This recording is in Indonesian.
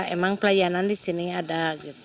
emang pelayanan di sini ada